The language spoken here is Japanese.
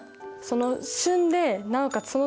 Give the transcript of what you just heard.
その旬でなおかつ